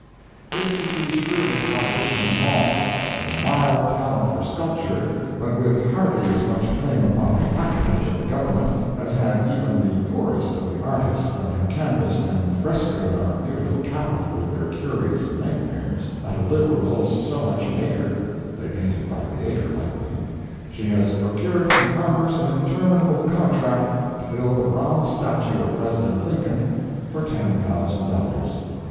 This is the shrewdest politician of them all. With a mild talent for sculpture, but with hardly as much claim upon the patronage of the Government as had even the poorest of the artists that have canvassed and frescoed our beautiful capitol with their curious nightmares at a liberal so much an acre (they painted by the acre, likely), she has procured from Congress an interminable contract to build a bronze statue of President Lincoln for ten thousand dollars.